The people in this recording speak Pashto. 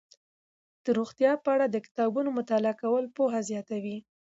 د روغتیا په اړه د کتابونو مطالعه کول پوهه زیاتوي.